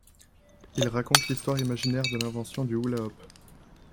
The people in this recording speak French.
Il raconte l'histoire imaginaire de l'invention du hula hoop.